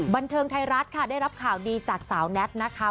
บันเทิงไทยรัฐค่ะได้รับข่าวดีจากสาวแน็ตนะคะ